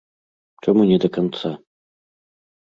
Чаму не да канца?